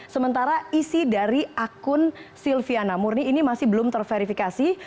sementara isi dari akun silviana murni ini masih belum terverifikasi